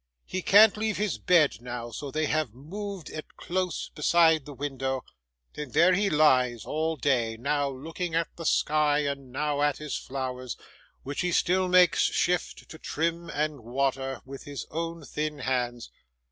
He can't leave his bed now, so they have moved it close beside the window, and there he lies, all day: now looking at the sky, and now at his flowers, which he still makes shift to trim and water, with his own thin hands.